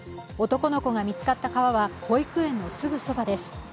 男の子が見つかった川は保育園のすぐそばです。